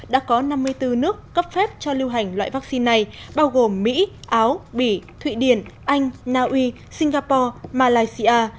đã có năm mươi bốn nước cấp phép cho lưu hành loại vaccine này bao gồm mỹ áo bỉ thụy điển anh naui singapore malaysia